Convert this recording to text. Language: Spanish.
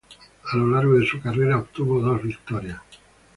A lo largo de su carrera obtuvo dos victorias.